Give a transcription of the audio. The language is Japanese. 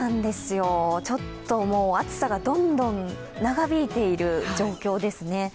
ちょっと暑さがどんどん長引いている状況ですね。